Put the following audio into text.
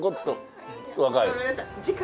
ごめんなさい次回。